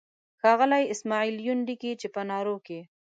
ښاغلی اسماعیل یون لیکي چې په نارو کې.